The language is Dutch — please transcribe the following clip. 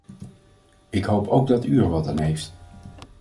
Ik hoop ook dat u er wat aan heeft.